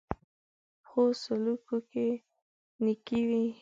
پخو سلوکو کې نېکي وي